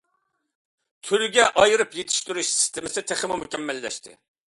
تۈرگە ئايرىپ يېتىشتۈرۈش سىستېمىسى تېخىمۇ مۇكەممەللەشتى.